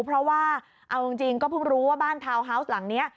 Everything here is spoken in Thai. เพราะว่าเอาจริงก็เพิ่งรู้ว่าบ้านทาวน์ฮาวส์หลังนี้